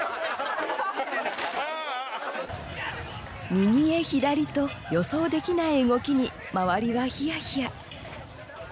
右へ左と予想できない動きに周りはヒヤヒヤ。